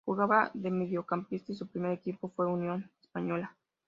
Jugaba de mediocampista y su primer equipo fue Unión Española.